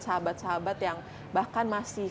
sahabat sahabat yang bahkan masih